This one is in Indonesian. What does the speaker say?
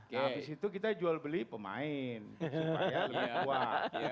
habis itu kita jual beli pemain supaya lebih kuat